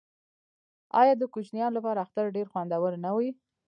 آیا د کوچنیانو لپاره اختر ډیر خوندور نه وي؟